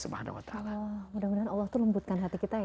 mudah mudahan allah itu lembutkan hati kita ya